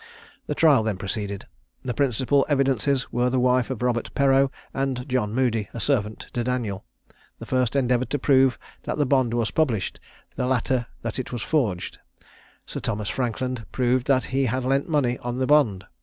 The trial then proceeded. The principal evidences were the wife of Robert Perreau, and John Moody, a servant to Daniel. The first endeavoured to prove that the bond was published, the latter that it was forged. Sir Thomas Frankland proved that he had lent money on the bond.